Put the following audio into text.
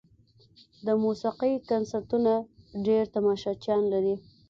د موسیقۍ کنسرتونه ډېر تماشچیان لري.